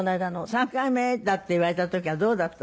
３回目だって言われた時はどうだったんですか？